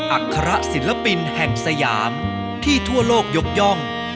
อัคระศิลปินแห่งสยามที่ทั่วโลกยกย่อง